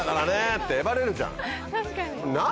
ってえばれるじゃん。